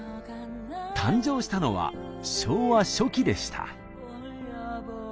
誕生したのは昭和初期でした。